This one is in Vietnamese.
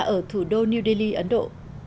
ở thủ đô new delhi ấn độ